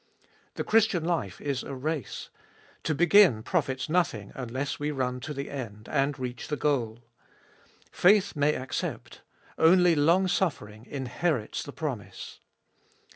The Christian life is a race : to begin profits nothing unless we run to the end and reach the goal. Faith may accept ; only longsuffering inherits the promise.